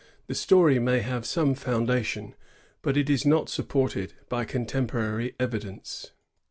The story may have some foun dation, but it is not supported by contemporary evidence.